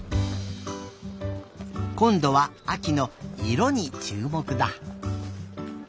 こんどはあきの「いろ」にちゅうもくだ。